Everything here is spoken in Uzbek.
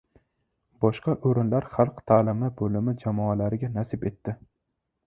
Boshqa oʻrinlar Xalq taʼlimi boʻlimi jamoalariga nasib etdi.